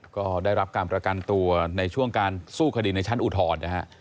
ก็ได้รับการประกันตัวในช่วงการสู้คดีในชั้นอุทธรณ์นะฮะ